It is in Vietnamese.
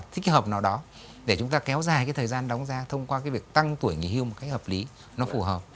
thích hợp nào đó để chúng ta kéo dài cái thời gian đóng ra thông qua việc tăng tuổi nghỉ hưu một cách hợp lý nó phù hợp